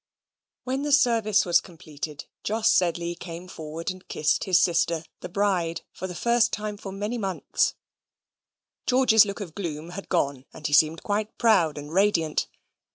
When the service was completed, Jos Sedley came forward and kissed his sister, the bride, for the first time for many months George's look of gloom had gone, and he seemed quite proud and radiant.